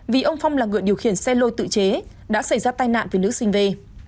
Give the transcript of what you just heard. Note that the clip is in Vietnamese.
vì ông phong là người điều khiển xe lô tự chế đã xảy ra tai nạn với nữ sinh về